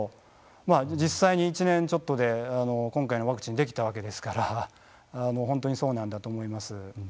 まあ実際に１年ちょっとで今回のワクチンできたわけですから本当にそうなんだと思います。